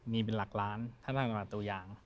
มีเป็นหลักล้านถ้าเป็นธนบัตรตัวอย่าง